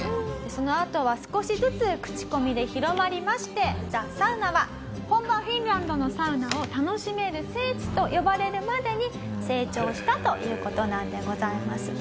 そのあとは少しずつ口コミで広まりましてＴｈｅＳａｕｎａは本場フィンランドのサウナを楽しめる聖地と呼ばれるまでに成長したという事なんでございます。